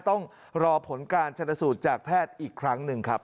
ต้องรอผลการชนสูตรจากแพทย์อีกครั้งหนึ่งครับ